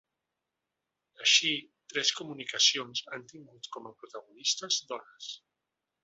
Així, tres comunicacions han tingut com a protagonistes dones.